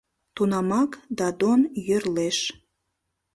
Тунамак Дадон йӧрлеш